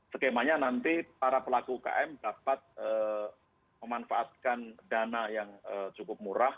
skemanya nanti para pelaku ukm dapat memanfaatkan dana yang cukup murah